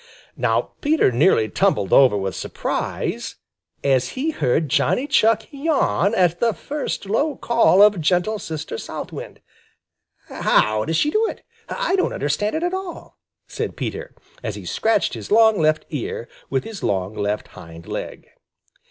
Now Peter nearly tumbled over with surprise, as he heard Johnny Chuck yawn at the first low call of gentle Sister South Wind. "How does she do it? I don't understand it at all," said Peter, as he scratched his long left ear with his long left hind leg.